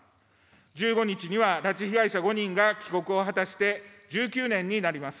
１５日には拉致被害者５人が帰国を果たして１９年になります。